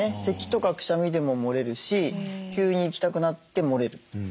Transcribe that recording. せきとかくしゃみでももれるし急に行きたくなってもれる。